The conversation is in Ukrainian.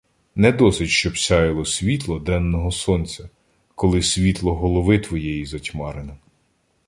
Не досить, щоб сяяло світло денного сонця, коли світло голови твоєї затьмарене.